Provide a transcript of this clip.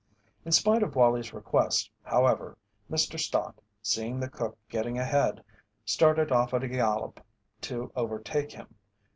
In spite of Wallie's request, however, Mr. Stott, seeing the cook getting ahead, started off at a gallop to overtake him.